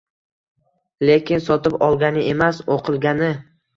Lekin sotib olgani emas, o`qilgani